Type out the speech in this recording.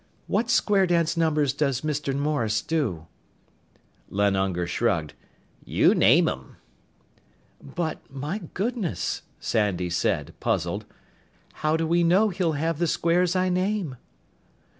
"What square dance numbers does Mr. Morris do?" Len Unger shrugged. "You name 'em." "But, my goodness," Sandy said, puzzled, "how do we know he'll have the squares I name?"